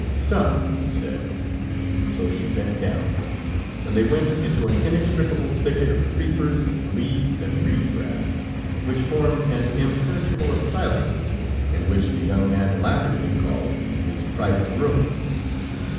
"Stop," he said, so she bent down, and they went into an inextricable thicket of creepers, leaves, and reed grass, which formed an inpenetrable asylum, and which the young man laughingly called, "his private room."